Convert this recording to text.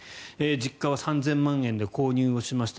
実家は３０００万円で購入をしました。